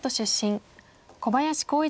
小林光一